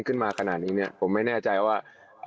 ขึ้นมาขนาดนี้เนี่ยผมไม่แน่ใจว่า